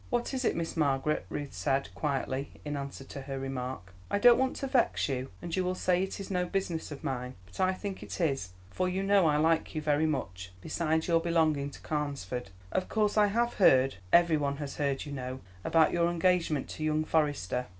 "What is it, Miss Margaret?" Ruth said, quietly, in answer to her remark. "I don't want to vex you, and you will say it is no business of mine, but I think it is, for you know I like you very much, besides, your belonging to Carnesford. Of course I have heard every one has heard, you know about your engagement to young Forester.